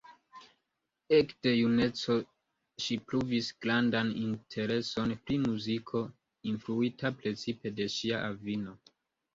Ekde juneco ŝi pruvis grandan intereson pri muziko, influita precipe de ŝia avino.